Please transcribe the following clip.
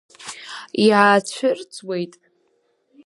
Иаацәырҵуеит…